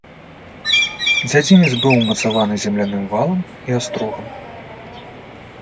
Дзядзінец быў умацаваны земляным валам і астрогам.